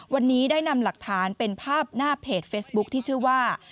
วันนี้ได้นำหลักฐานเป็นภาพหน้าเพจเฟซบุ๊คที่ชื่อว่า